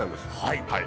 はい。